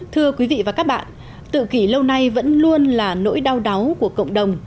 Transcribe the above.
thưa quý vị và các bạn tự kỷ lâu nay vẫn luôn là nỗi đau đáu của cộng đồng